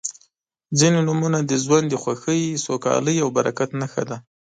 •ځینې نومونه د ژوند د خوښۍ، سوکالۍ او برکت نښه ده.